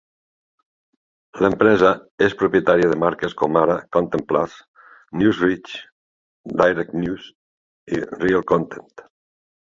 L'empresa és propietària de marques com ara Content Plus, NewsReach, DirectNews i ReelContent.